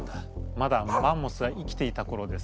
まだマンモスが生きていた頃です。